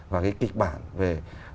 và cái kịch bản về